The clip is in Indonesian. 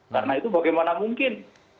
karena itu bagaimana mungkin